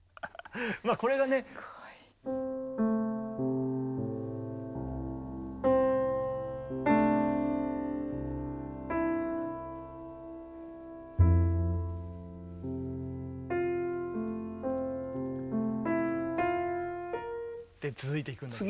まあこれがね。って続いていくんだけど。